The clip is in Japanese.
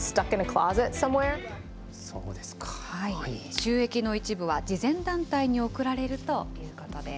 収益の一部は慈善団体に贈られるということです。